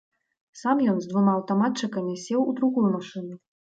Сам ён з двума аўтаматчыкамі сеў у другую машыну.